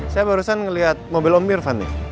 saya barusan ngeliat mobil om irfan nih